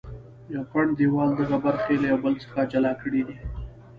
یو پنډ دیوال دغه برخې له یو بل څخه جلا کړې دي.